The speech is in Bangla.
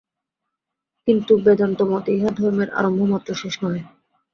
কিন্তু বেদান্তমতে ইহা ধর্মের আরম্ভমাত্র, শেষ নহে।